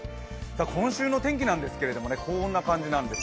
今週の天気なんですけれども、こんな感じなんです。